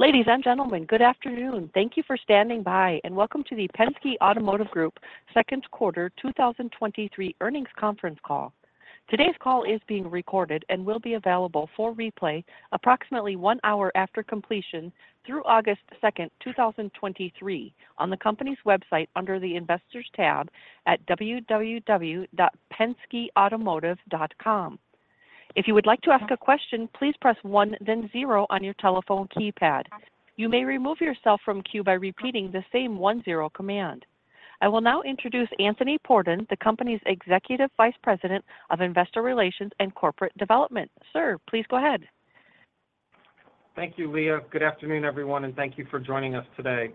Ladies and gentlemen, good afternoon. Thank you for standing by, and welcome to the Penske Automotive Group second quarter 2023 Earnings Conference Call. Today's call is being recorded and will be available for replay approximately one hour after completion through August 2, 2023, on the company's website under the Investors tab at www.penskeautomotive.com. If you would like to ask a question, please press 1, then 0 on your telephone keypad. You may remove yourself from queue by repeating the same 1 0 command. I will now introduce Anthony Pordon, the company's Executive Vice President of Investor Relations and Corporate Development. Sir, please go ahead. Thank you, Leah. Good afternoon, everyone, and thank you for joining us today.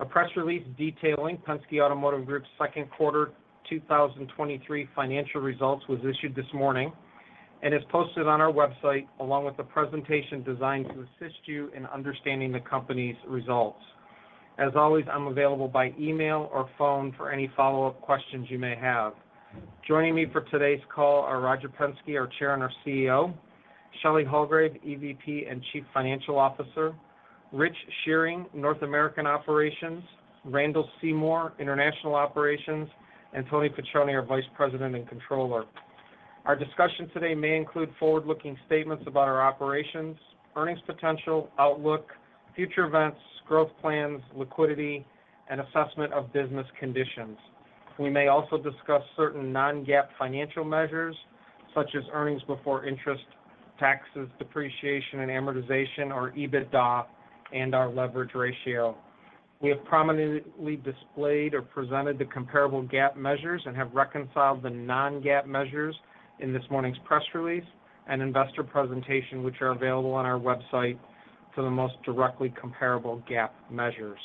A press release detailing Penske Automotive Group's second quarter 2023 financial results was issued this morning and is posted on our website, along with a presentation designed to assist you in understanding the company's results. As always, I'm available by email or phone for any follow-up questions you may have. Joining me for today's call are Roger Penske, our Chair and our CEO, Shelley Hulgrave, EVP and Chief Financial Officer, Rich Shearing, North American Operations, Randall Seymore, International Operations, and Tony Facione, our Vice President and Controller. Our discussion today may include forward-looking statements about our operations, earnings potential, outlook, future events, growth plans, liquidity, and assessment of business conditions. We may also discuss certain non-GAAP financial measures, such as earnings before interest, taxes, depreciation, and amortization, or EBITDA, and our leverage ratio. We have prominently displayed or presented the comparable GAAP measures and have reconciled the non-GAAP measures in this morning's press release and investor presentation, which are available on our website for the most directly comparable GAAP measures.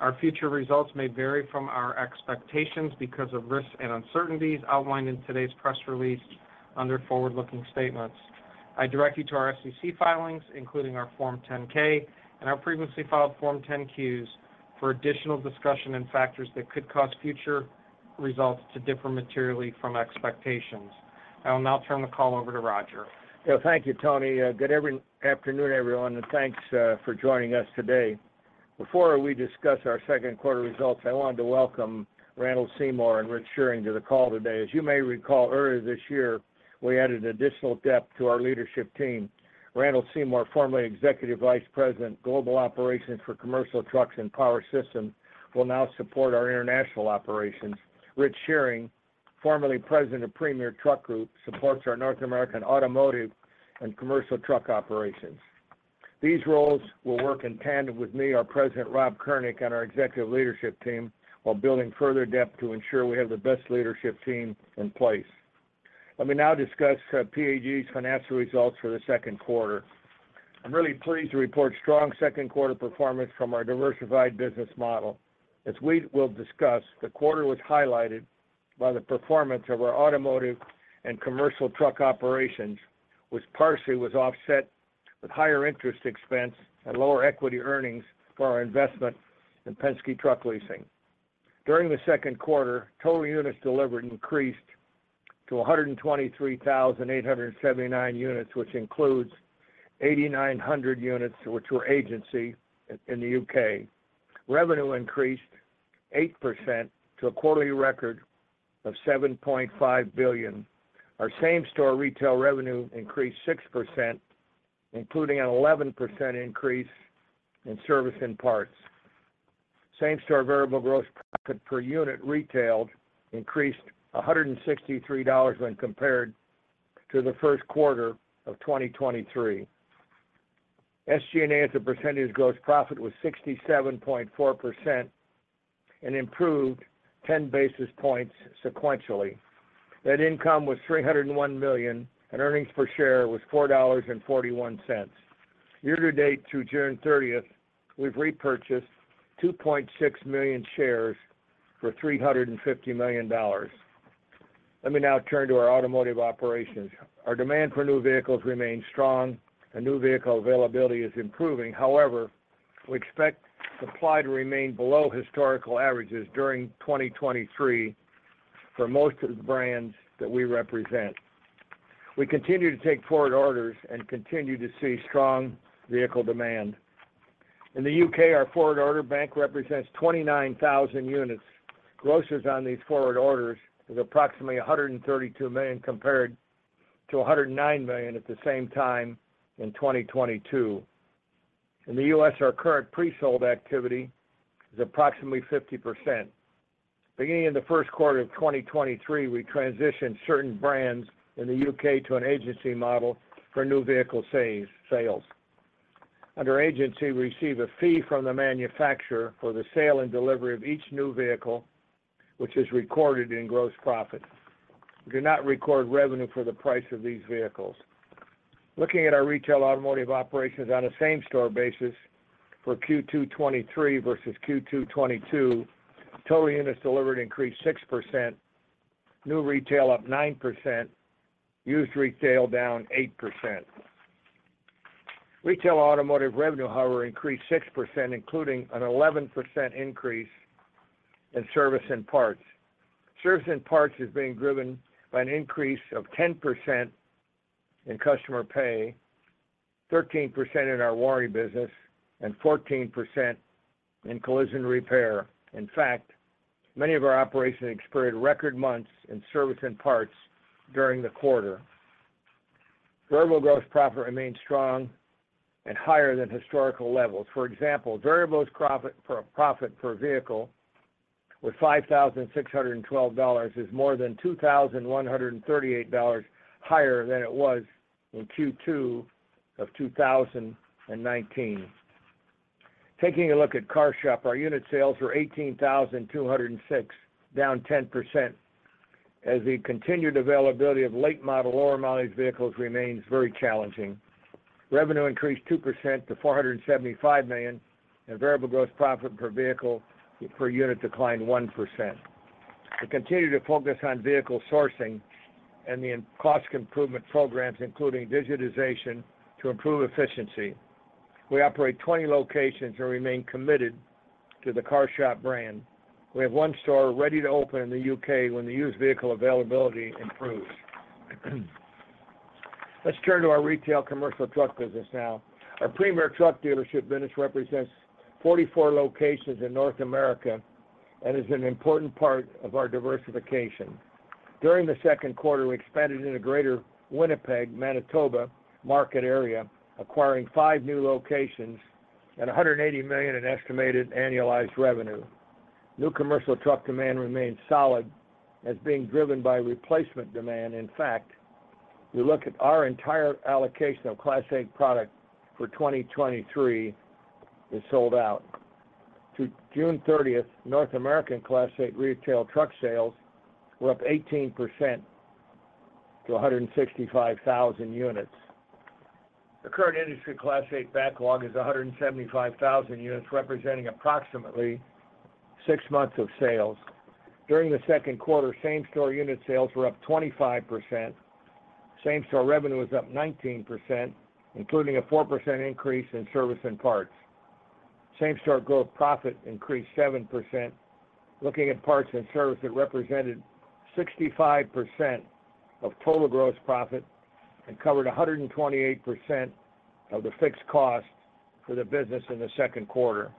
Our future results may vary from our expectations because of risks and uncertainties outlined in today's press release under forward-looking statements. I direct you to our SEC filings, including our Form 10-K and our previously filed Form 10-Q, for additional discussion and factors that could cause future results to differ materially from expectations. I will now turn the call over to Roger. Yeah, thank you, Tony. Good afternoon, everyone, and thanks for joining us today. Before we discuss our second quarter results, I wanted to welcome Randall Seymore and Rich Shearing to the call today. As you may recall, earlier this year, we added additional depth to our leadership team. Randall Seymore, formerly Executive Vice President, Global Operations for Commercial Trucks and Power Systems, will now support our international operations. Rich Shearing, formerly President of Premier Truck Group, supports our North American Automotive and Commercial Truck operations. These roles will work in tandem with me, our President, Rob Kurnick, and our executive leadership team, while building further depth to ensure we have the best leadership team in place. Let me now discuss PAG's financial results for the second quarter. I'm really pleased to report strong second quarter performance from our diversified business model. As we will discuss, the quarter was highlighted by the performance of our automotive and commercial truck operations, which partially was offset by higher interest expense and lower equity earnings for our investment in Penske Truck Leasing. During the second quarter, total units delivered increased to 123,879 units, which includes 8,900 units, which were agency in the U.K. Revenue increased 8% to a quarterly record of $7.5 billion. Our same-store retail revenue increased 6%, including an 11% increase in service and parts. Same-store variable gross profit per unit retailed increased $163 when compared to the first quarter of 2023. SG&A, as a percentage of gross profit, was 67.4% and improved 10 basis points sequentially. Net income was $301 million, and earnings per share was $4.41. Year to date, through June 30, we've repurchased 2.6 million shares for $350 million. Let me now turn to our automotive operations. Our demand for new vehicles remains strong, and new vehicle availability is improving. However, we expect supply to remain below historical averages during 2023 for most of the brands that we represent. We continue to take forward orders and continue to see strong vehicle demand. In the U.K., our forward order bank represents 29,000 units. Grosses on these forward orders is approximately $132 million, compared to $109 million at the same time in 2022. In the U.S., our current pre-sold activity is approximately 50%. Beginning in the first quarter of 2023, we transitioned certain brands in the U.K. to an agency model for new vehicle sales. Under agency, we receive a fee from the manufacturer for the sale and delivery of each new vehicle, which is recorded in gross profit. We do not record revenue for the price of these vehicles. Looking at our retail automotive operations on a same-store basis for Q2 2023 versus Q2 2022, total units delivered increased 6%, new retail up 9%, used retail down 8%. Retail automotive revenue, however, increased 6%, including an 11% increase in service and parts. Service and parts are being driven by an increase of 10% in customer pay, 13% in our warranty business, and 14% in collision repair. In fact, many of our operations experienced record months in service and parts during the quarter. Variable gross profit remains strong and higher than historical levels. For example, variable profit for per vehicle with $5,612 is more than $2,138 higher than it was in Q2 of 2019. Taking a look at CarShop, our unit sales were 18,206, down 10%. As the continued availability of late model, lower mileage vehicles remains very challenging. Revenue increased 2% to $475 million, and variable gross profit per vehicle declined 1%. We continue to focus on vehicle sourcing and the cost improvement programs, including digitization, to improve efficiency. We operate 20 locations and remain committed to the CarShop brand. We have one store ready to open in the U.K. when the used vehicle availability improves. Let's turn to our retail commercial truck business now. Our Premier Truck Group dealership business represents 44 locations in North America, and is an important part of our diversification. During the second quarter, we expanded into Greater Winnipeg, Manitoba market area, acquiring five new locations and $180 million in estimated annualized revenue. New commercial truck demand remains solid and is being driven by replacement demand. In fact, we look at our entire allocation of Class 8 product for 2023 is sold out. To June 30, North American Class 8 retail truck sales were up 18% to 165,000 units. The current industry Class 8 backlog is 175,000 units, representing approximately six months of sales. During the second quarter, same-store unit sales were up 25%. Same-store revenue was up 19%, including a 4% increase in service and parts. Same-store gross profit increased 7%. Looking at parts and service, it represented 65% of total gross profit and covered 128% of the fixed costs for the business in the second quarter.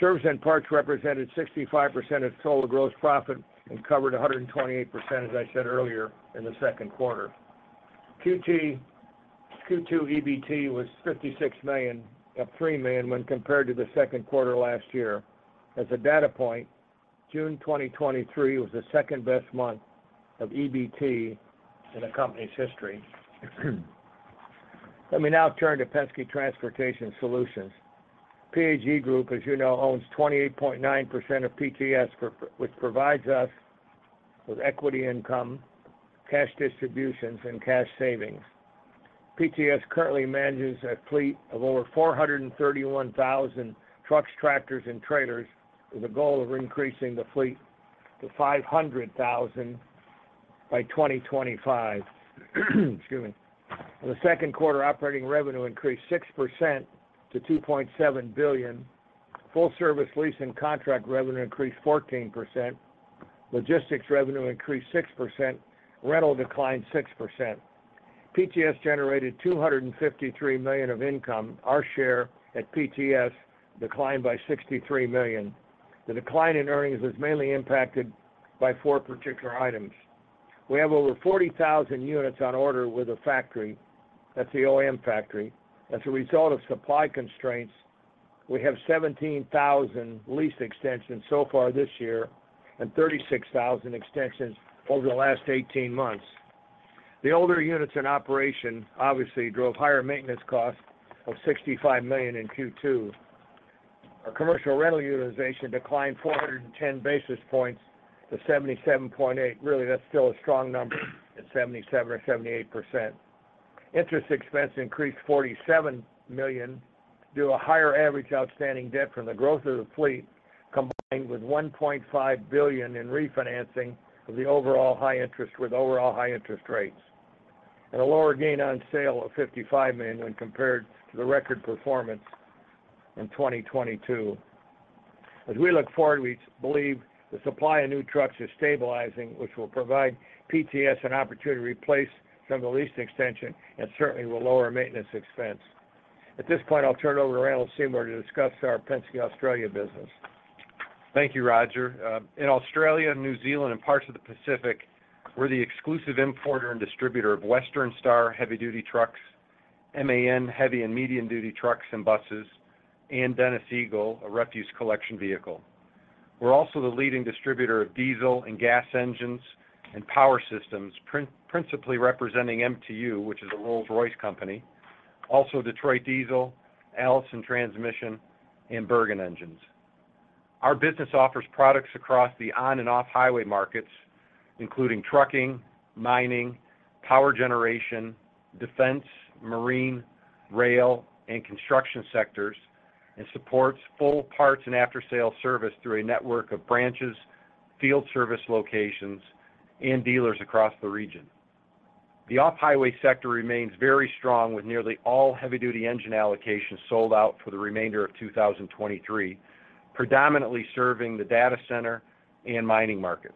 Service and parts represented 65% of total gross profit and covered 128%, as I said earlier, in the second quarter. Q2 EBT was $56 million, up $3 million when compared to the second quarter last year. As a data point, June 2023 was the second best month of EBT in the company's history. Let me now turn to Penske Transportation Solutions. PAG Group owns 28.9% of PTS, which provides us with equity income, cash distributions, and cash savings. PTS currently manages a fleet of over 431,000 trucks, tractors, and trailers, with a goal of increasing the fleet to 500,000 by 2025. Excuse me. In the second quarter, operating revenue increased 6% to $2.7 billion. Full service lease and contract revenue increased 14%. Logistics revenue increased 6%. Rental declined 6%. PTS generated $253 million of income. Our share at PTS declined by $63 million. The decline in earnings is mainly impacted by four particular items. We have over 40,000 units on order with a factory, that's the OEM factory. As a result of supply constraints, we have 17,000 lease extensions so far this year, and 36,000 extensions over the last 18 months. The older units in operation, obviously, drove higher maintenance costs of $65 million in Q2. Our commercial rental utilization declined 410 basis points to 77.8%. Really, that's still a strong number, at 77% or 78%. Interest expense increased $47 million due to a higher average outstanding debt from the growth of the fleet, combined with $1.5 billion in refinancing with overall high interest rates. A lower gain on sale of $55 million when compared to the record performance in 2022. As we look forward, we believe the supply of new trucks is stabilizing, which will provide PTS an opportunity to replace some of the lease extension, and certainly will lower maintenance expense. At this point, I'll turn it over to Randall Seymore to discuss our Penske Australia business. Thank you, Roger. In Australia, New Zealand, and parts of the Pacific, we're the exclusive importer and distributor of Western Star Trucks heavy-duty trucks, MAN Truck & Bus heavy and medium-duty trucks and buses, and Dennis Eagle, a refuse collection vehicle. We're also the leading distributor of diesel and gas engines and power systems, principally representing MTU, which is a Rolls-Royce company, also Detroit Diesel Corporation, Allison Transmission, and Bergen Engines. Our business offers products across the on and off highway markets, including trucking, mining, power generation, defense, marine, rail, and construction sectors, and supports full parts and after-sale service through a network of branches, field service locations, and dealers across the region. The off-highway sector remains very strong, with nearly all heavy-duty engine allocations sold out for the remainder of 2023, predominantly serving the data center and mining markets.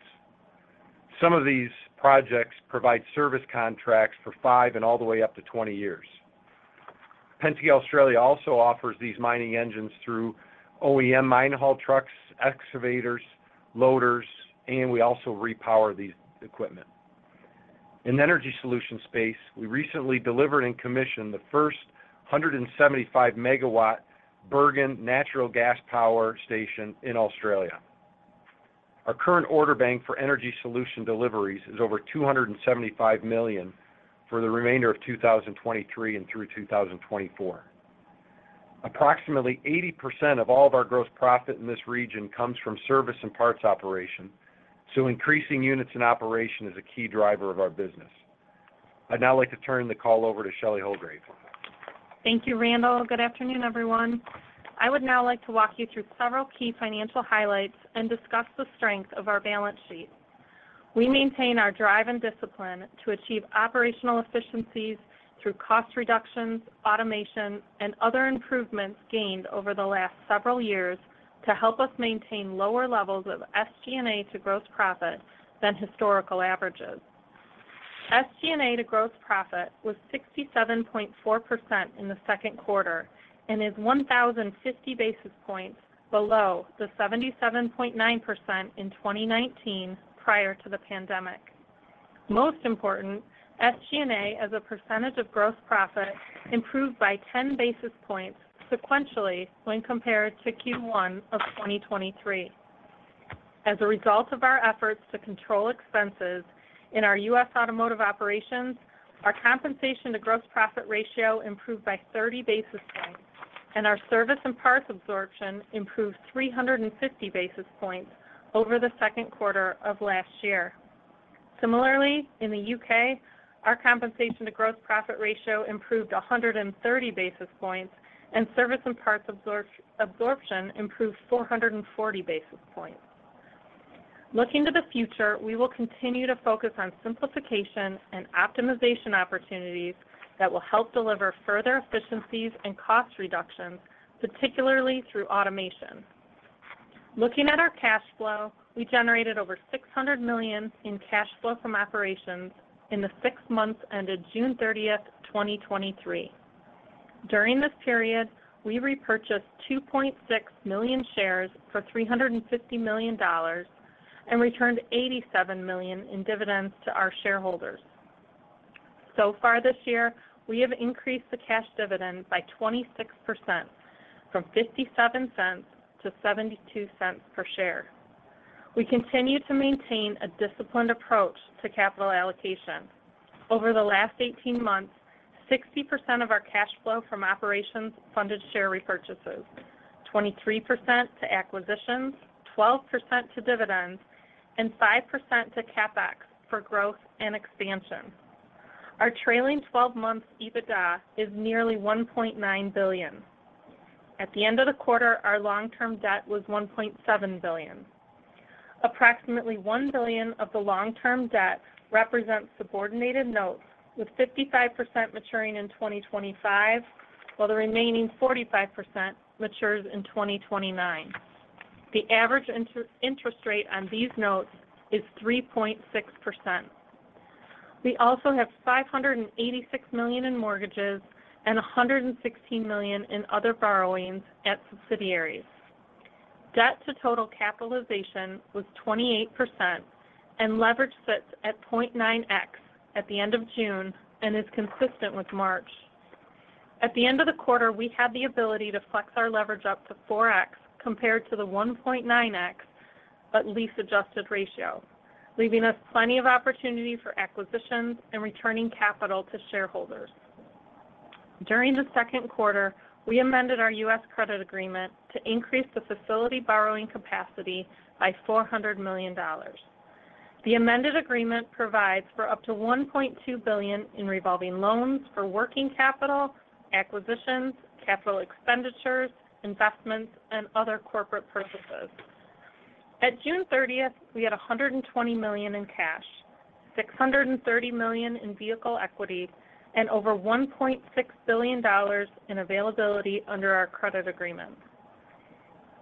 Some of these projects provide service contracts for five and all the way up to 20 years. Penske Australia also offers these mining engines through OEM mine haul trucks, excavators, loaders, and we also repower these equipment. In energy solution space, we recently delivered and commissioned the first 175 megawatt Bergen natural gas power station in Australia. Our current order bank for energy solution deliveries is over $275 million for the remainder of 2023 and through 2024. Approximately 80% of all of our gross profit in this region comes from service and parts operations, so increasing units in operation is a key driver of our business. I'd now like to turn the call over to Shelley Hulgrave. Thank you, Randall. Good afternoon, everyone. I would now like to walk you through several key financial highlights and discuss the strength of our balance sheet. We maintain our drive and discipline to achieve operational efficiencies through cost reductions, automation, and other improvements gained over the last several years to help us maintain lower levels of SG&A to gross profit than historical averages. SG&A to gross profit was 67.4% in the second quarter and is 1,050 basis points below the 77.9% in 2019 prior to the pandemic. Most important, SG&A, as a percentage of gross profit, improved by 10 basis points sequentially when compared to Q1 of 2023. As a result of our efforts to control expenses in our U.S. automotive operations, our compensation to gross profit ratio improved by 30 basis points, and our service and parts absorption improved 350 basis points over the second quarter of last year. Similarly, in the U.K., our compensation to gross profit ratio improved 130 basis points, and service and parts absorption improved 440 basis points. Looking to the future, we will continue to focus on simplification and optimization opportunities that will help deliver further efficiencies and cost reductions, particularly through automation. Looking at our cash flow, we generated over $600 million in cash flow from operations in the six months ended June 30, 2023. During this period, we repurchased 2.6 million shares for $350 million and returned $87 million in dividends to our shareholders. Far this year, we have increased the cash dividend by 26%, from $0.57 to $0.72 per share. We continue to maintain a disciplined approach to capital allocation. Over the last 18 months, 60% of our cash flow from operations funded share repurchases, 23% to acquisitions, 12% to dividends, and 5% to CapEx for growth and expansion. Our trailing 12 months EBITDA is nearly $1.9 billion. At the end of the quarter, our long-term debt was $1.7 billion. Approximately $1 billion of the long-term debt represents subordinated notes, with 55% maturing in 2025, while the remaining 45% matures in 2029. The average interest rate on these notes is 3.6%. We also have $586 million in mortgages and $116 million in other borrowings at subsidiaries. Debt to total capitalization was 28%. Leverage sits at 0.9x at the end of June and is consistent with March. At the end of the quarter, we had the ability to flex our leverage up to 4x compared to the 1.9x but lease-adjusted ratio, leaving us plenty of opportunity for acquisitions and returning capital to shareholders. During the second quarter, we amended our U.S. credit agreement to increase the facility borrowing capacity by $400 million. The amended agreement provides for up to $1.2 billion in revolving loans for working capital, acquisitions, capital expenditures, investments, and other corporate purposes. At June 30, we had $120 million in cash, $630 million in vehicle equity, over $1.6 billion in availability under our credit agreement.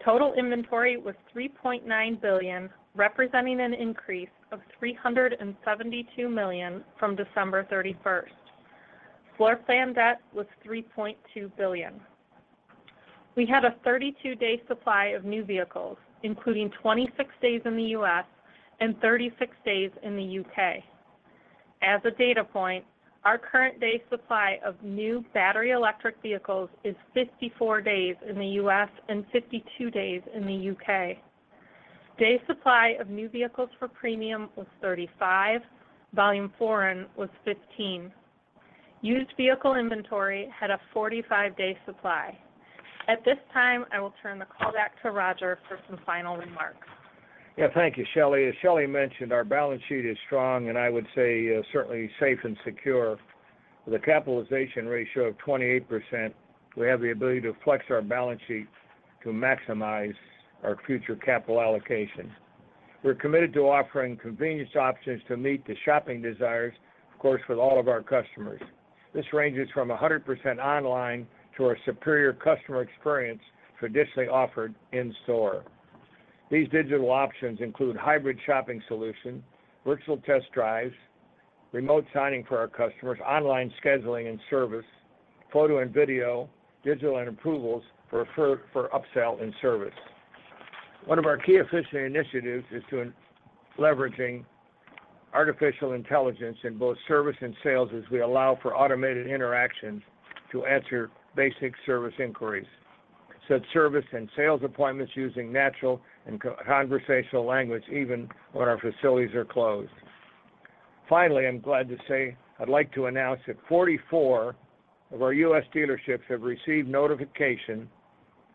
Total inventory was $3.9 billion, representing an increase of $372 million from December 31. Floorplan debt was $3.2 billion. We had a 32-day supply of new vehicles, including 26 days in the U.S. and 36 days in the U.K. As a data point, our current day supply of new battery electric vehicles is 54 days in the U.S. and 52 days in the U.K. Day supply of new vehicles for premium was 35, volume foreign was 15. Used vehicle inventory had a 45-day supply. At this time, I will turn the call back to Roger for some final remarks. Yeah. Thank you, Shelley. As Shelley mentioned, our balance sheet is strong, and I would say, certainly safe and secure. With a capitalization ratio of 28%, we have the ability to flex our balance sheet to maximize our future capital allocation. We're committed to offering convenience options to meet the shopping desires, of course, with all of our customers. This ranges from 100% online to our superior customer experience, traditionally offered in-store. These digital options include hybrid shopping solution, virtual test drives, remote signing for our customers, online scheduling and service, photo and video, digital and approvals for upsell and service. One of our key efficiency initiatives is to in leveraging artificial intelligence in both service and sales, as we allow for automated interactions to answer basic service inquiries, set service and sales appointments using natural and conversational language, even when our facilities are closed. I'm glad to say, I'd like to announce that 44 of our U.S. dealerships have received notification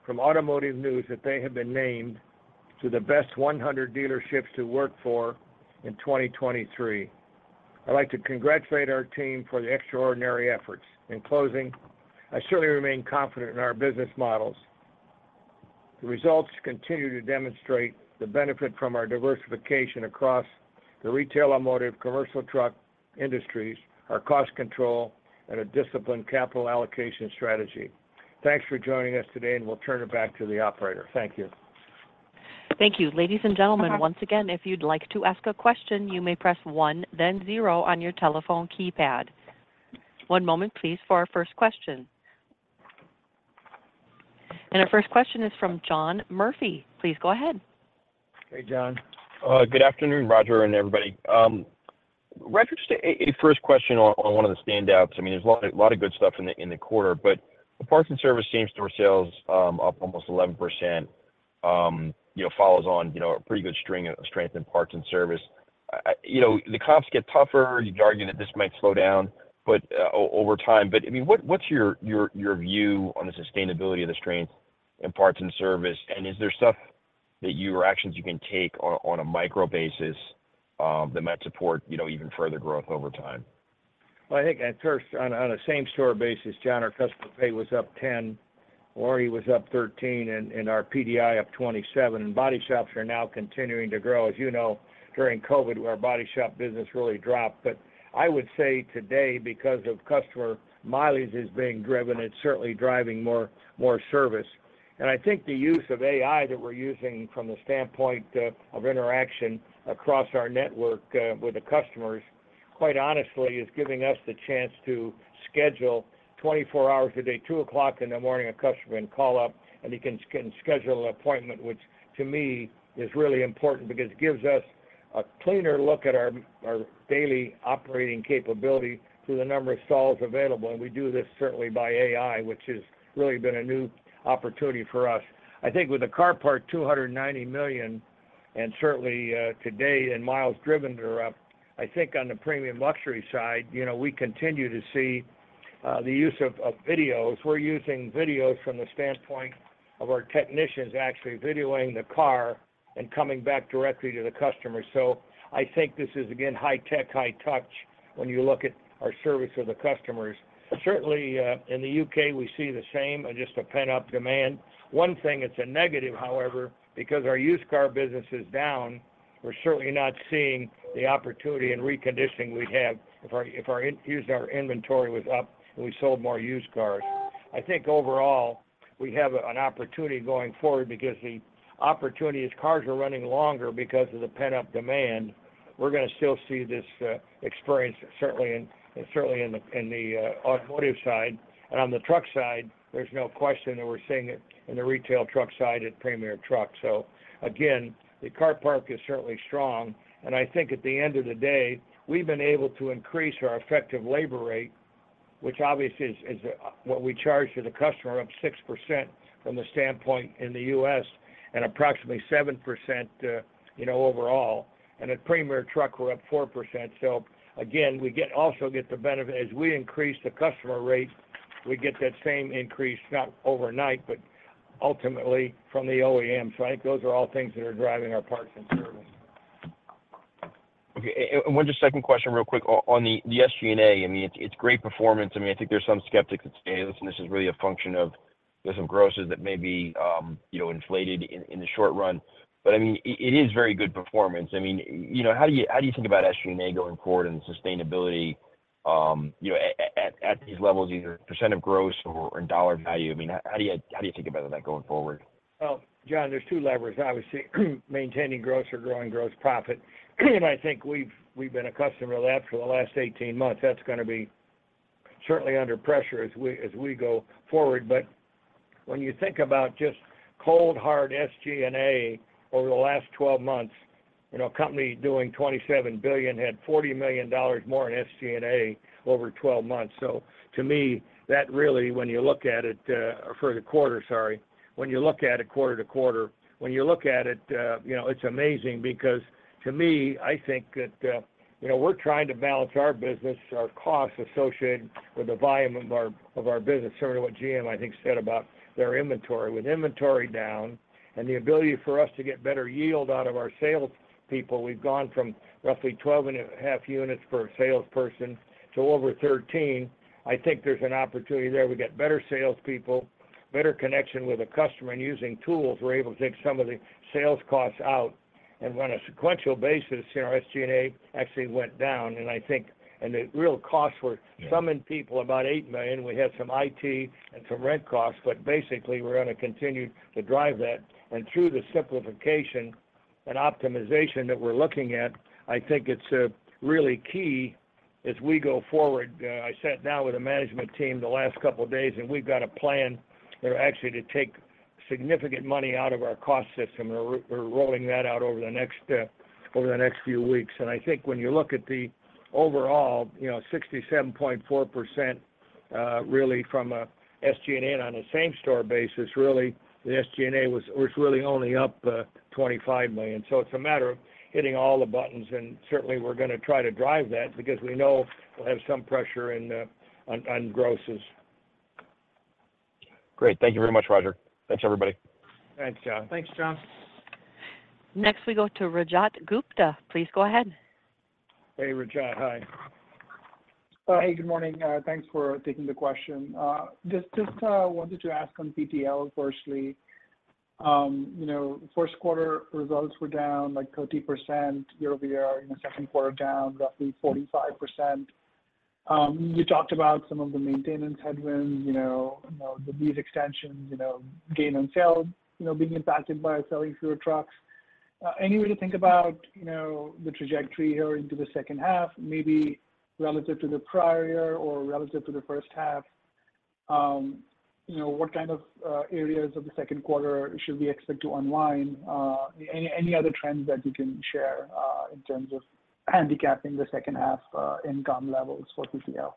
from Automotive News, that they have been named to the best 100 dealerships to work for in 2023. I'd like to congratulate our team for the extraordinary efforts. In closing, I certainly remain confident in our business models. The results continue to demonstrate the benefit from our diversification across the retail, automotive, commercial truck industries, our cost control, and a disciplined capital allocation strategy. Thanks for joining us today, and we'll turn it back to the operator. Thank you. Thank you. Ladies and gentlemen, once again, if you'd like to ask a question, you may press 1, then 0 on your telephone keypad. One moment, please, for our first question. Our first question is from John Murphy. Please go ahead. Hey, John. Good afternoon, Roger, and everybody. Roger, just a first question on one of the standouts. I mean, there's a lot of good stuff in the, in the quarter, but the parts and service same-store sales, up almost 11%, follows on, a pretty good string of strength in parts and service. The comps get tougher. You'd argue that this might slow down, but over time. I mean, what's your view on the sustainability of the strength in parts and service? Is there stuff that you or actions you can take on a micro basis, that might support, even further growth over time? Well, I think at first on a same-store basis, John, our customer pay was up 10%, Labor was up 13%, and our PDI was up 27%, and body shops are now continuing to grow. During COVID, our body shop business really dropped, but I would say today, because of customer mileage is being driven, it's certainly driving more service. I think the use of AI that we're using from the standpoint of interaction across our network, with the customers, quite honestly, is giving us the chance to schedule 24 hours a day. 2:00 A.M. in the morning, a customer can call up, and he can schedule an appointment, which to me, is really important because it gives us a cleaner look at our daily operating capability to the number of stalls available. We do this certainly by AI, which has really been a new opportunity for us. I think with the car parc, 290 million, today, miles driven are up. I think on the premium luxury side, we continue to see the use of videos. We're using videos from the standpoint of our technicians actually videoing the car and coming back directly to the customer. I think this is, again, high tech, high touch, when you look at our service for the customers. In the U.K., we see the same, just a pent-up demand. One thing that's a negative, however, because our used car business is down, we're certainly not seeing the opportunity in reconditioning we'd have if our used our inventory was up, and we sold more used cars. I think overall, we have an opportunity going forward because the opportunity as cars are running longer because of the pent-up demand, we're going to still see this experience, certainly in the automotive side. On the truck side, there's no question that we're seeing it in the retail truck side at Premier Truck. Again, the car parc is certainly strong, and I think at the end of the day, we've been able to increase our effective labor rate, which obviously is what we charge to the customer, up 6% from the standpoint in the U.S., and approximately 7%, overall. At Premier Truck, we're up 4%. Again, we also get the benefit, as we increase the customer rate, we get that same increase, not overnight, but ultimately from the OEM. I think those are all things that are driving our parts and service. Okay, one second question real quick on the SG&A. I mean, it's great performance. I mean, I think there's some skeptics that say, "Listen, this is really a function of there's some grosses that may be, inflated in the short run." I mean, it is very good performance. I mean, how do you, how do you think about SG&A going forward and sustainability, at these levels, either % of gross or in dollar value? I mean, how do you, how do you think about that going forward? John, there's two levers. Obviously, maintaining gross or growing gross profit. I think we've been accustomed to that for the last 18 months. That's gonna be certainly under pressure as we go forward. When you think about just cold, hard SG&A over the last 12 months, a company doing $27 billion had $40 million more in SG&A over 12 months. To me, that really, when you look at it, for the quarter, sorry, when you look at it quarter to quarter, when you look at it, it's amazing because to me, I think that, we're trying to balance our business, our costs associated with the volume of our business, similar to what GM, I think, said about their inventory. With inventory down and the ability for us to get better yield out of our salespeople, we've gone from roughly 12 and a half units per salesperson to over 13. I think there's an opportunity there. We get better salespeople, better connection with the customer, and using tools, we're able to take some of the sales costs out. On a sequential basis, our SG&A actually went down, and I think, and the real costs were-. Yeah Some in people, about $8 million. We had some IT and some rent costs, but basically, we're going to continue to drive that. Through the simplification and optimization that we're looking at, I think it's really key as we go forward. I sat down with the management team the last couple of days, and we've got a plan there actually to take significant money out of our cost system. We're rolling that out over the next few weeks. I think when you look at the overall, 67.4%, really from a SG&A on a same-store basis, really, the SG&A was really only up $25 million. It's a matter of hitting all the buttons, and certainly we're going to try to drive that because we know we'll have some pressure in the, on grosses. Great. Thank you very much, Roger. Thanks, everybody. Thanks, John. Thanks, John. Next, we go to Rajat Gupta. Please go ahead. Hey, Rajat. Hi. Hey, good morning. Thanks for taking the question. Just wanted to ask on PTL, firstly. First quarter results were down, like, 30% year-over-year, and the second quarter, down roughly 45%. You talked about some of the maintenance headwinds, the lease extensions, gain on sales, being impacted by selling fewer trucks. Any way to think about, the trajectory here into the second half, maybe relative to the prior year or relative to the first half? What kind of areas of the second quarter should we expect to unwind? Any other trends that you can share in terms of handicapping the second half income levels for PTL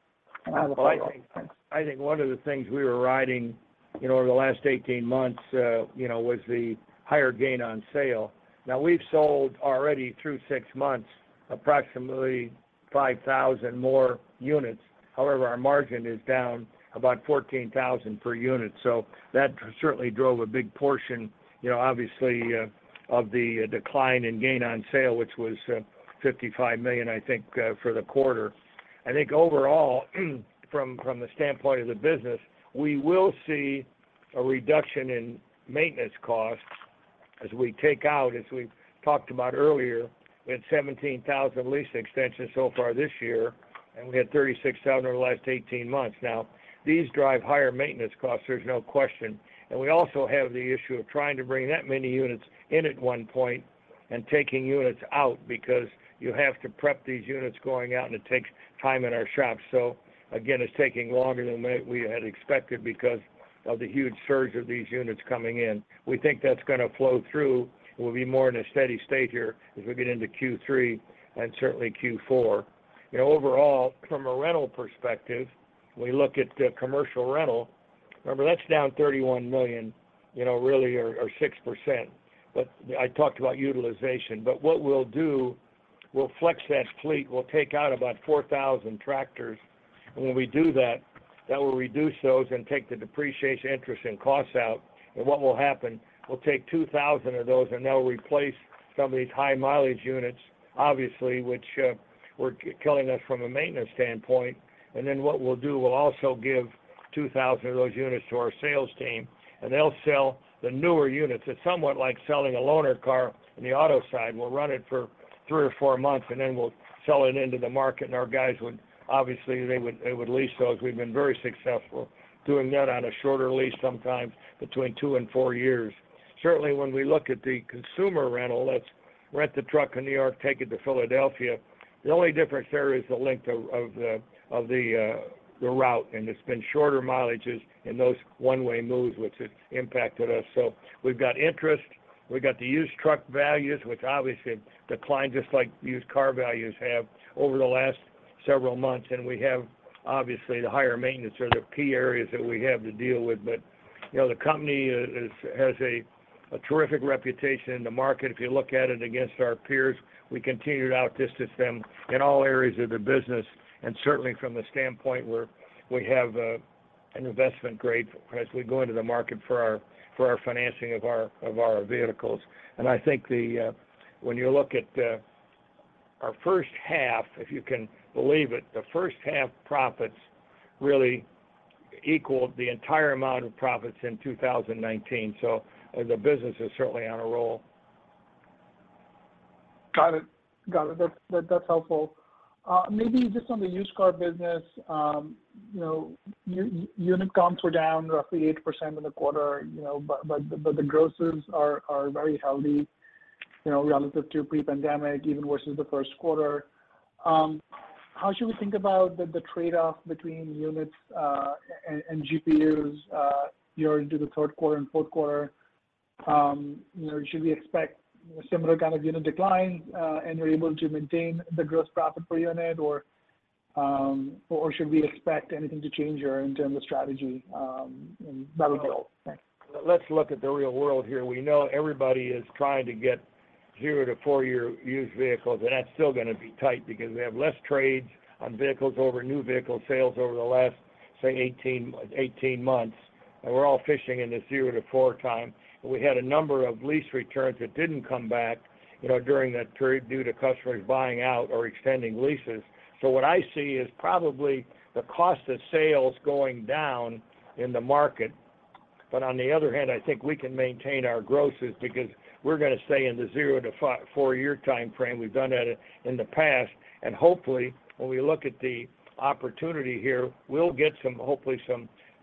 as well? Thanks. I think one of the things we were riding in over the last 18 months, was the higher gain on sale. We've sold already through 6 months, approximately 5,000 more units. However, our margin is down about $14,000 per unit, so that certainly drove a big portion, obviously, of the decline in gain on sale, which was, $55 million, I think, for the quarter. I think overall, from the standpoint of the business, we will see a reduction in maintenance costs as we take out, as we talked about earlier, we had 17,000 lease extensions so far this year, and we had 36,000 over the last 18 months. These drive higher maintenance costs, there's no question. We also have the issue of trying to bring that many units in at one point and taking units out because you have to prep these units going out, and it takes time in our shops. Again, it's taking longer than we had expected because of the huge surge of these units coming in. We think that's going to flow through. We'll be more in a steady state here as we get into Q3 and certainly Q4. Overall, from a rental perspective, we look at the commercial rental. Remember, that's down $31 million, or 6%. I talked about utilization, but what we'll do, we'll flex that fleet. We'll take out about 4,000 tractors, and when we do that will reduce those and take the depreciation interest and costs out. What will happen, we'll take 2,000 of those, and they'll replace some of these high-mileage units, obviously, which were killing us from a maintenance standpoint. What we'll do, we'll also give 2,000 of those units to our sales team, and they'll sell the newer units. It's somewhat like selling a loaner car on the auto side. We'll run it for 3 or 4 months, and then we'll sell it into the market, and our guys would, obviously, they would lease those. We've been very successful doing that on a shorter lease, sometimes between 2 and 4 years. Certainly, when we look at the consumer rental, let's rent the truck in New York, take it to Philadelphia, the only difference there is the length of the route, and it's been shorter mileages in those one-way moves, which has impacted us. We've got interest, we've got the used truck values, which obviously declined just like used car values have over the last several months, and we have, obviously, the higher maintenance are the key areas that we have to deal with. The company has a terrific reputation in the market. If you look at it against our peers, we continue to outdistance them in all areas of the business, and certainly from the standpoint where we have an investment grade as we go into the market for our financing of our vehicles. I think the, when you look at, our first half, if you can believe it, the first half profits really equaled the entire amount of profits in 2019. The business is certainly on a roll. Got it. Got it. That's, that's helpful. Maybe just on the used car business, unit comps were down roughly 8% in the quarter, but the grosses are very healthy, relative to pre-pandemic, even versus the first quarter. How should we think about the trade-off between units and GPUs, into the third quarter and fourth quarter? Should we expect a similar kind of unit decline and you're able to maintain the gross profit per unit, or should we expect anything to change your in terms of strategy going forward? Thanks. Let's look at the real world here. We know everybody is trying to get zero to four year old used vehicles, and that's still going to be tight because we have less trades on vehicles over new vehicle sales over the last, say, 18 months, and we're all fishing in this 0-4 time. We had a number of lease returns that didn't come back, during that period due to customers buying out or extending leases. What I see is probably the cost of sales going down in the market. On the other hand, I think we can maintain our grosses because we're going to stay in the zero to four year time frame. We've done that in the past. Hopefully, when we look at the opportunity here, we'll get some hopefully,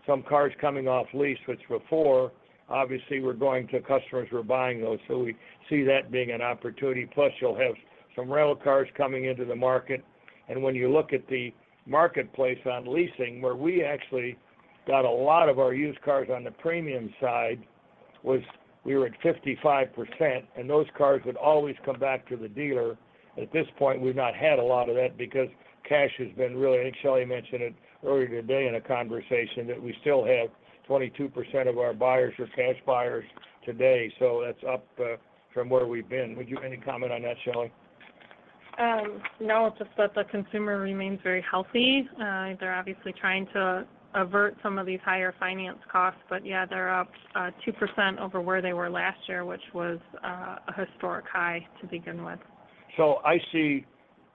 some cars coming off lease, which before, obviously, were going to customers who are buying those. We see that being an opportunity, plus you'll have some rental cars coming into the market. When you look at the marketplace on leasing, where we actually got a lot of our used cars on the premium side, was we were at 55%, and those cars would always come back to the dealer. At this point, we've not had a lot of that because cash has been really. I think Shelley mentioned it earlier today in a conversation, that we still have 22% of our buyers are cash buyers today. That's up from where we've been. Would you add any comment on that, Shelley? It's just that the consumer remains very healthy. They're obviously trying to avert some of these higher finance costs, but yeah, they're up, 2% over where they were last year, which was, a historic high to begin with. I see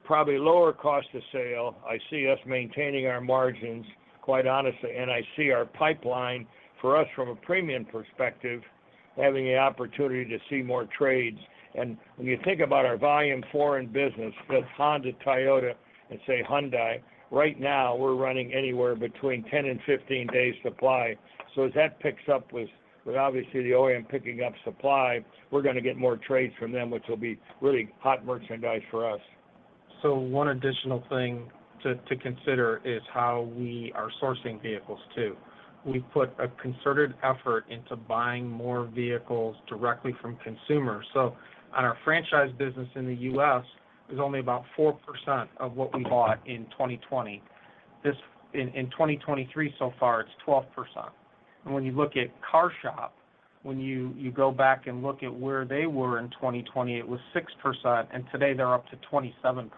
probably lower cost of sale. I see us maintaining our margins, quite honestly, and I see our pipeline for us, from a premium perspective, having the opportunity to see more trades. When you think about our volume foreign business, that's Honda, Toyota, and say, Hyundai, right now, we're running anywhere between 10 and 15 days supply. As that picks up with obviously, the OEM picking up supply, we're gonna get more trades from them, which will be really hot merchandise for us. One additional thing to consider is how we are sourcing vehicles, too. We've put a concerted effort into buying more vehicles directly from consumers. On our franchise business in the U.S., it was only about 4% of what we bought in 2020. In 2023 so far, it's 12%. When you look at CarShop, when you go back and look at where they were in 2020, it was 6%, and today they're up to 27%.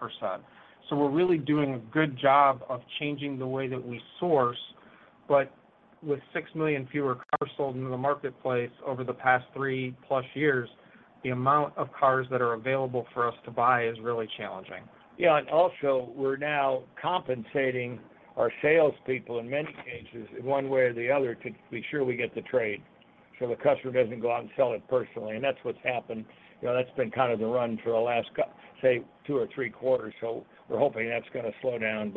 We're really doing a good job of changing the way that we source. With 6 million fewer cars sold in the marketplace over the past more than three years, the amount of cars that are available for us to buy is really challenging. Yeah, also, we're now compensating our salespeople in many cases, in one way or the other, to be sure we get the trade, so the customer doesn't go out and sell it personally. That's what's happened. That's been kind of the run for the last, say, two or three quarters, we're hoping that's going to slow down.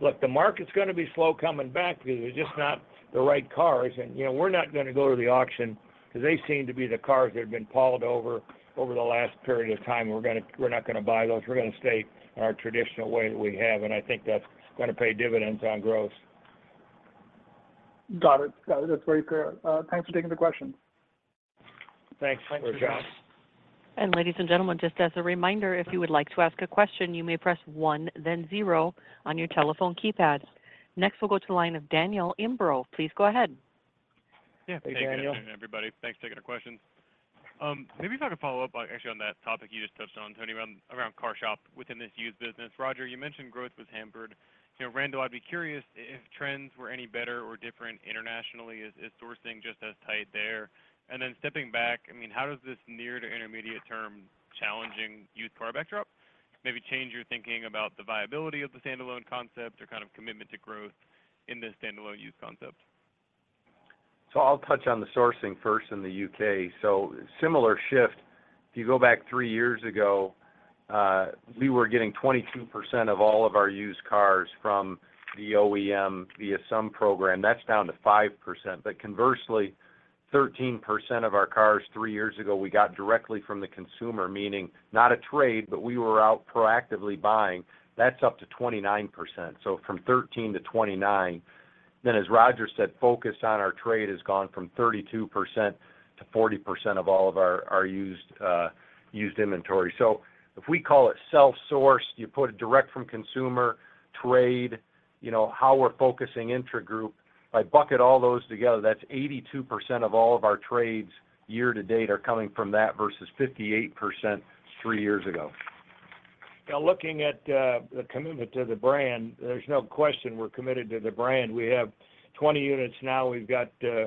Look, the market's going to be slow coming back because they're just not the right cars. We're not going to go to the auction because they seem to be the cars that have been palled over the last period of time. We're not going to buy those. We're going to stay our traditional way that we have, I think that's going to pay dividends on gross. Got it. That's very clear. Thanks for taking the question. Thanks. Thanks, John. Ladies and gentlemen, just as a reminder, if you would like to ask a question, you may press 1, then 0 on your telephone keypad. Next, we'll go to the line of Daniel Imbro. Please go ahead. Yeah. Hey, Daniel. Thank you, everybody. Thanks for taking the questions. Maybe if I could follow up, actually on that topic you just touched on, Tony, around CarShop within this used business. Roger, you mentioned growth was hampered. Randall, I'd be curious if trends were any better or different internationally. Is sourcing just as tight there? Stepping back, I mean, how does this near to intermediate term challenging used car backdrop maybe change your thinking about the viability of the standalone concept or kind of commitment to growth in this standalone used concept? I'll touch on the sourcing first in the U.K. Similar shift, if you go back three years ago, we were getting 22% of all of our used cars from the OEM via some program. That's down to 5%. Conversely, 13% of our cars three years ago, we got directly from the consumer, meaning not a trade, but we were out proactively buying. That's up to 29%. From 13% to 29%. As Roger said, focus on our trade has gone from 32% to 40% of all of our used inventory. If we call it self-sourced, you put it direct from consumer, trade, how we're focusing intra-group. If I bucket all those together, that's 82% of all of our trades year to date are coming from that versus 58% three years ago. Looking at the commitment to the brand, there's no question we're committed to the brand. We have 20 units now. We've got a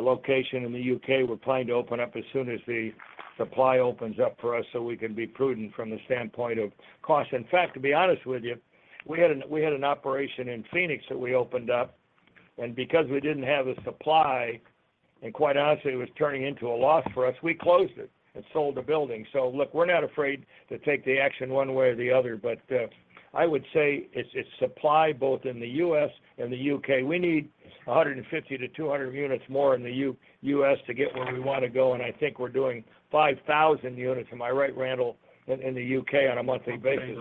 location in the U.K. we're planning to open up as soon as the supply opens up for us, so we can be prudent from the standpoint of cost. In fact, to be honest with you, we had an operation in Phoenix that we opened up, and because we didn't have a supply, and quite honestly, it was turning into a loss for us, we closed it and sold the building. Look, we're not afraid to take the action one way or the other, but I would say it's supply both in the U.S. and the U.K. We need 150 to 200 units more in the U.S. to get where we want to go. I think we're doing 5,000 units, am I right, Randall, in the U.K. on a monthly basis?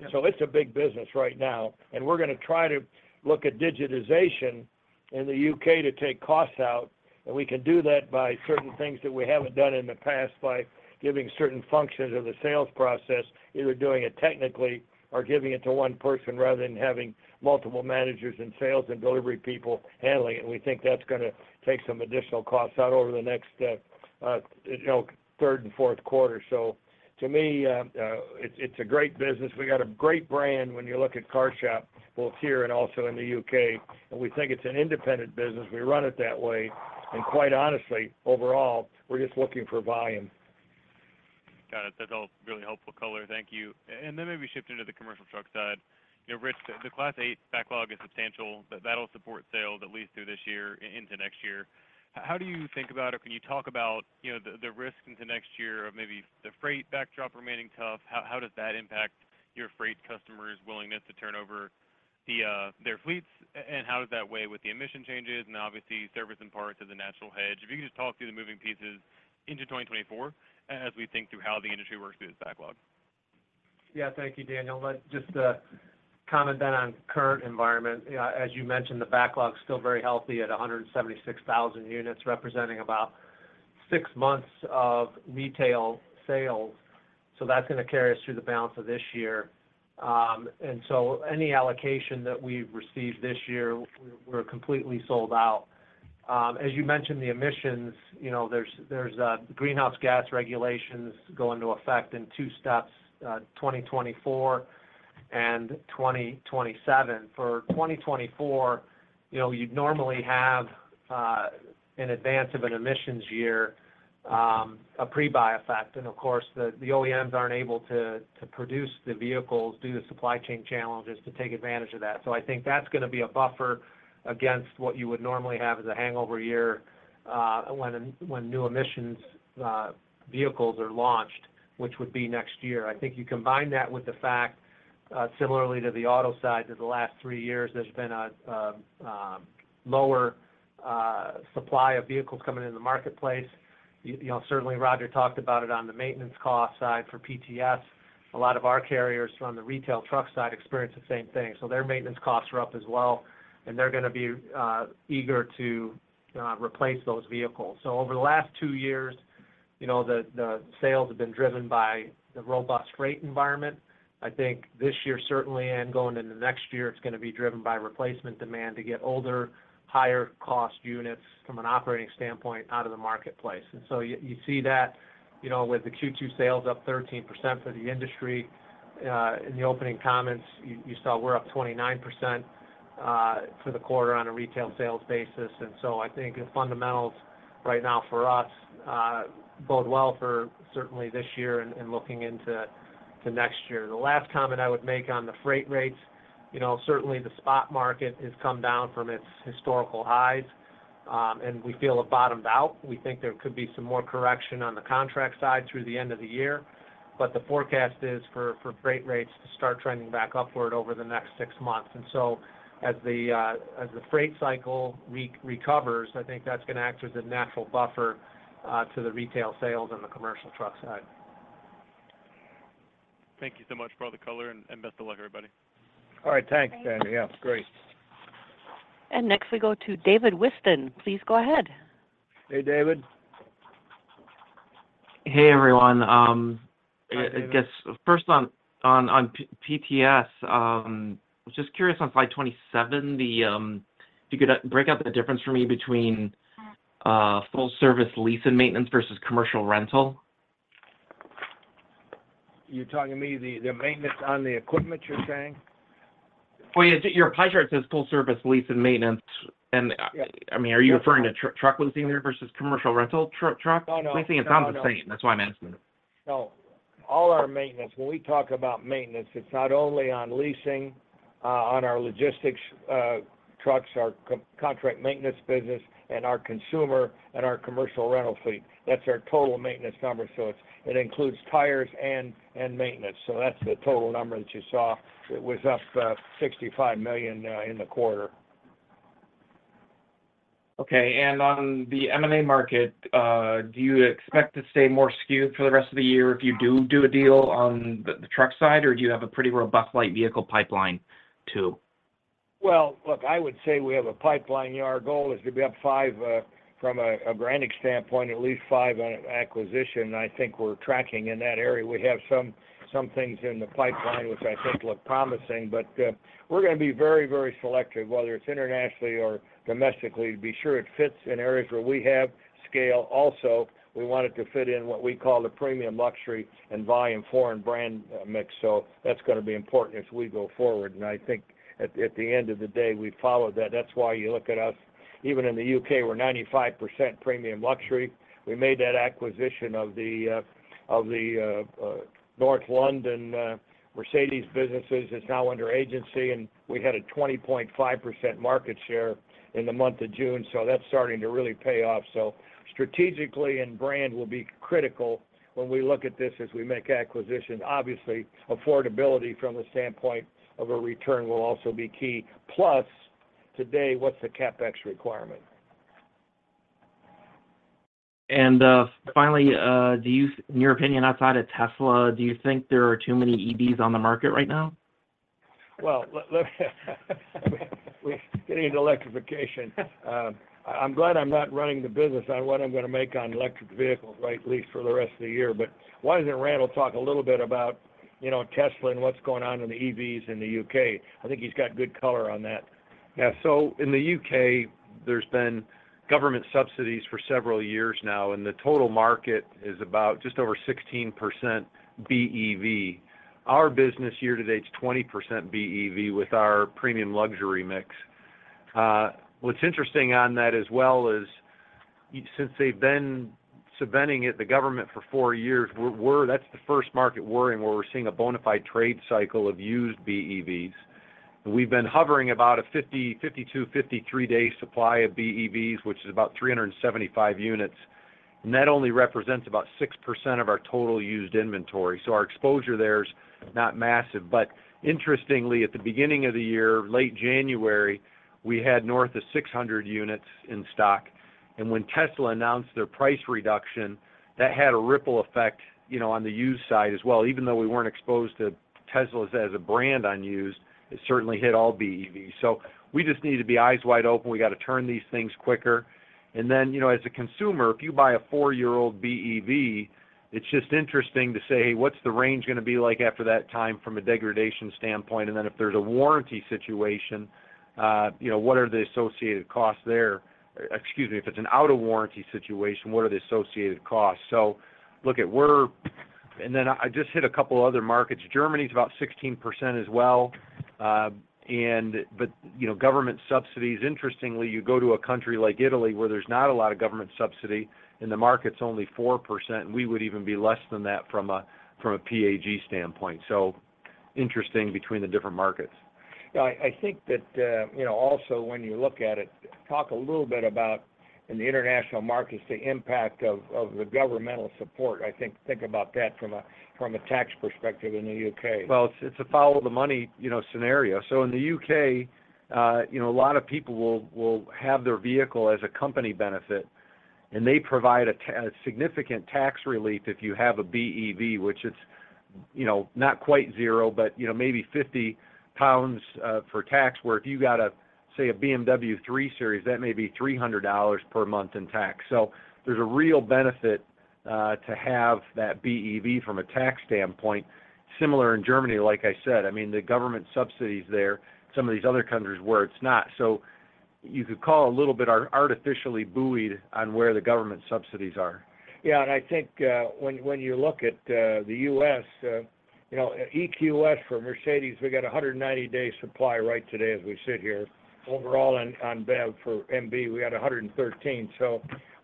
Yes. It's a big business right now, and we're going to try to look at digitization in the U.K. to take costs out, and we can do that by certain things that we haven't done in the past, by giving certain functions of the sales process, either doing it technically or giving it to one person rather than having multiple managers in sales and delivery people handling it. We think that's going to take some additional costs out over the next, third and fourth quarter. To me, it's a great business. We got a great brand when you look at CarShop, both here and also in the U.K., and we think it's an independent business. We run it that way, and quite honestly, overall, we're just looking for volume. Got it. That's all really helpful color. Thank you. Maybe shifting to the commercial truck side. Rich, the Class 8 backlog is substantial, that'll support sales at least through this year into next year. How do you think about, or can you talk about, the risks into next year of maybe the freight backdrop remaining tough? How does that impact your freight customers' willingness to turn over their fleets? How does that weigh with the emission changes and obviously service and parts as a natural hedge? If you could just talk through the moving pieces into 2024 as we think through how the industry works through this backlog. Yeah. Thank you, Daniel Imbro. Let's just comment on current environment. As you mentioned, the backlog's still very healthy at 176,000 units, representing about 6 months of retail sales, so that's going to carry us through the balance of this year. Any allocation that we've received this year, we're completely sold out. As you mentioned, the emissions, there's Greenhouse Gas regulations go into effect in 2 steps, 2024 and 2027. For 2024, you'd normally have in advance of an emissions year, a pre-buy effect. Of course, the OEMs aren't able to produce the vehicles due to supply chain challenges to take advantage of that. I think that's going to be a buffer against what you would normally have as a hangover year, when new emissions vehicles are launched, which would be next year. I think you combine that with the fact, similarly to the auto side, that the last 3 years, there's been a lower supply of vehicles coming into the marketplace. Certainly Roger talked about it on the maintenance cost side for PTS. A lot of our carriers from the retail truck side experience the same thing, so their maintenance costs are up as well, and they're going to be eager to replace those vehicles. Over the last 2 years, the sales have been driven by the robust freight environment. I think this year, certainly, and going into next year, it's going to be driven by replacement demand to get older, higher-cost units from an operating standpoint out of the marketplace. You see that, with the Q2 sales up 13% for the industry. In the opening comments, you saw we're up 29% for the quarter on a retail sales basis. I think the fundamentals right now for us, bode well for certainly this year and looking into next year. The last comment I would make on the freight rates, certainly the spot market has come down from its historical highs, and we feel it bottomed out. We think there could be some more correction on the contract side through the end of the year, but the forecast is for freight rates to start trending back upward over the next six months. As the freight cycle recovers, I think that's going to act as a natural buffer to the retail sales on the commercial truck side. Thank you so much for all the color and best of luck, everybody. All right. Thanks, Daniel. Thanks. Yeah, great. Next, we go to David Whiston. Please go ahead. Hey, David. Hey, everyone. Hi, David. I guess first on PTS, just curious on slide 27, if you could break out the difference for me between full service lease and maintenance versus commercial rental? You're talking to me the maintenance on the equipment, you're saying? Yeah, your pie chart says full service lease and maintenance, and. Yeah. I mean, are you referring to truck leasing there versus commercial rental truck? Oh, no. Leasing and compensation. No, no. That's why I mentioned it. No. All our maintenance. When we talk about maintenance, it's not only on leasing, on our logistics trucks, our contract maintenance business, and our consumer and our commercial rental fleet. That's our total maintenance number. It includes tires and maintenance. That's the total number that you saw. It was up $65 million in the quarter. Okay. On the M&A market, do you expect to stay more skewed for the rest of the year if you do a deal on the truck side, or do you have a pretty robust light vehicle pipeline, too? Well, look, I would say we have a pipeline. Our goal is to be up five from a branding standpoint, at least five acquisition, and I think we're tracking in that area. We have some things in the pipeline which I think look promising. We're going to be very, very selective, whether it's internationally or domestically, to be sure it fits in areas where we have scale. Also, we want it to fit in what we call the premium luxury and volume foreign brand mix. That's going to be important as we go forward, and I think at the end of the day, we follow that. That's why you look at us. Even in the U.K., we're 95% premium luxury. We made that acquisition of the of the North London Mercedes-Benz businesses. It's now under agency, and we had a 20.5% market share in the month of June, so that's starting to really pay off. Strategically and brand will be critical when we look at this as we make acquisitions. Obviously, affordability from the standpoint of a return will also be key. Plus, today, what's the CapEx requirement? Finally, in your opinion, outside of Tesla, do you think there are too many EVs on the market right now? Well, we're getting into electrification. I'm glad I'm not running the business on what I'm going to make on electric vehicles, right, at least for the rest of the year. Why doesn't Randall Seymore talk a little bit about, Tesla and what's going on in the EVs in the U.K.? I think he's got good color on that. Yeah. In the U.K., there's been government subsidies for several years now, and the total market is about just over 16% BEV. Our business year to date is 20% BEV with our premium luxury mix. What's interesting on that as well is, since they've been subventing it, the government, for four years, we're that's the first market we're in, where we're seeing a bona fide trade cycle of used BEVs. We've been hovering about a 50, 52, 53 day supply of BEVs, which is about 375 units. That only represents about 6% of our total used inventory, so our exposure there is not massive. Interestingly, at the beginning of the year, late January, we had more than of 600 units in stock, and when Tesla announced their price reduction, that had a ripple effect, on the used side as well. Even though we weren't exposed to Teslas as a brand on used, it certainly hit all BEVs. We just need to be eyes wide open. We got to turn these things quicker. As a consumer, if you buy a four-year-old BEV, it's just interesting to say, "What's the range going to be like after that time from a degradation standpoint?" If there's a warranty situation, what are the associated costs there? Excuse me, if it's an out-of-warranty situation, what are the associated costs? Look, I'll just hit a couple of other markets. Germany is about 16% as well, government subsidies, interestingly, you go to a country like Italy, where there's not a lot of government subsidy, and the market's only 4%. We would even be less than that from a, from a PAG standpoint. Interesting between the different markets. Yeah, I think that, also, when you look at it, talk a little bit about in the international markets, the impact of the governmental support. I think about that from a, from a tax perspective in the U.K. Well, it's a follow the money, scenario. In the U.K., a lot of people will have their vehicle as a company benefit, and they provide a significant tax relief if you have a BEV, which is, not quite zero, but maybe 50 pounds or tax. Where if you got a, say, a BMW 3 Series, that may be $300 per month in tax. There's a real benefit to have that BEV from a tax standpoint. Similar in Germany, like I said, I mean, the government subsidies there, some of these other countries where it's not. You could call a little bit artificially buoyed bywhere the government subsidies are. Yeah, I think, when you look at the U.S., EQS for Mercedes, we got 190 day supply right today as we sit here. Overall, on BEV for MB, we got 113.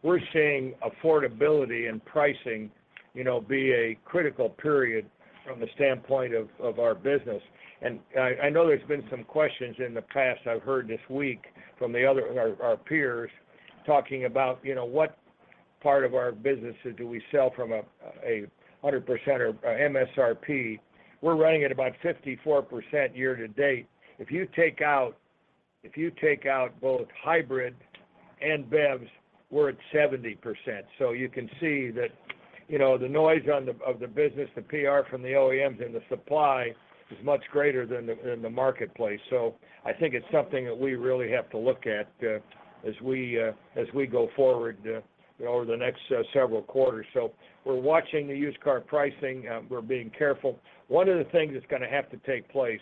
We're seeing affordability and pricing, be a critical period from the standpoint of our business. I know there's been some questions in the past. I've heard this week from the other, our peers, talking about, what part of our businesses do we sell from a 100% or a MSRP? We're running at about 54% year-to-date. If you take out both hybrid and BEVs, we're at 70%. You can see that, the noise of the business, the PR from the OEMs and the supply is much greater than the marketplace. I think it's something that we really have to look at, as we go forward, over the next several quarters. We're watching the used car pricing. We're being careful. One of the things that's going to have to take place,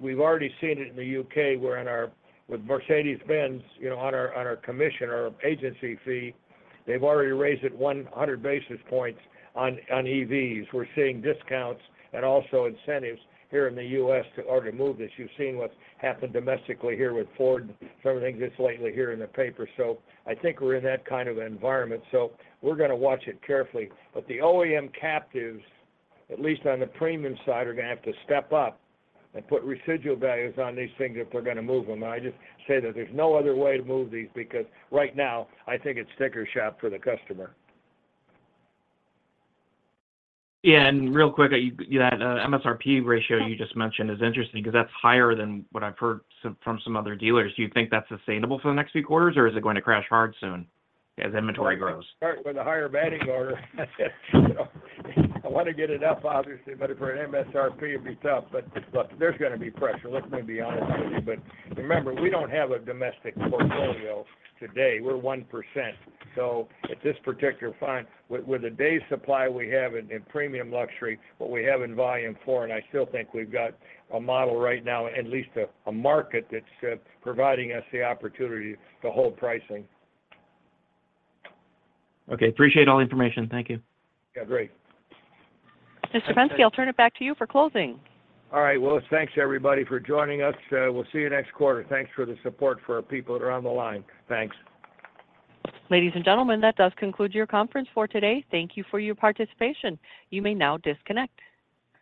we've already seen it in the U.K., where with Mercedes-Benz, on our commission, our agency fee, they've already raised it 100 basis points on EVs. We're seeing discounts and also incentives here in the U.S. to already move this. You've seen what's happened domestically here with Ford, some of the things just lately here in the paper. I think we're in that kind of environment, so we're going to watch it carefully. The OEM captives, at least on the premium side, are going to have to step up and put residual values on these things if we're going to move them. I just say that there's no other way to move these because right now, I think it's sticker shock for the customer. Yeah, real quick, that MSRP ratio you just mentioned is interesting because that's higher than what I've heard some, from some other dealers. Do you think that's sustainable for the next few quarters, or is it going to crash hard soon as inventory grows? Start with a higher batting order. I want to get it up, obviously, but for an MSRP, it'd be tough. Look, there's going to be pressure. Let me be honest with you. Remember, we don't have a domestic portfolio today. We're 1%. At this particular time, with the day supply we have in premium luxury, what we have in volume foreign, and I still think we've got a model right now, at least a market that's providing us the opportunity to hold pricing. Okay. Appreciate all the information. Thank you. Yeah, great. Mr. Penske, I'll turn it back to you for closing. All right. Well, thanks, everybody, for joining us. We'll see you next quarter. Thanks for the support for our people that are on the line. Thanks. Ladies and gentlemen, that does conclude your conference for today. Thank you for your participation. You may now disconnect.